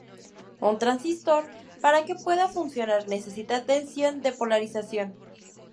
Un transistor, para que pueda funcionar, necesita tensión de polarización.